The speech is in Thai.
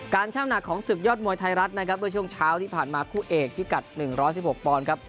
ช่างหนักของศึกยอดมวยไทยรัฐนะครับเมื่อช่วงเช้าที่ผ่านมาคู่เอกพิกัด๑๑๖ปอนด์ครับ